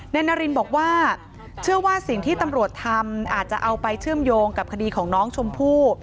นารินบอกว่าเชื่อว่าสิ่งที่ตำรวจทำอาจจะเอาไปเชื่อมโยงกับคดีของน้องชมพู่